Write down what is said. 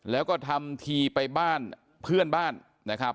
แล้วก็ทำทีไปบ้านเพื่อนบ้านนะครับ